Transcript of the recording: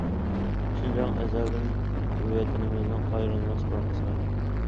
شىنجاڭ ئەزەلدىن ۋەتىنىمىزنىڭ ئايرىلماس بىر قىسمى.